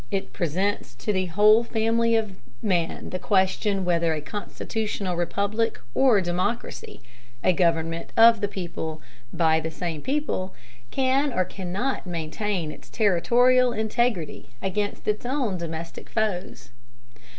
It presents to the whole family of man the question whether a constitutional republic or democracy a government of the people by the same people can or cannot maintain its territorial integrity against its own domestic foes."